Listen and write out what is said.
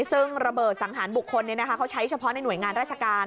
ซึ่งระเบิดสังหารบุคคลเขาใช้เฉพาะในหน่วยงานราชการ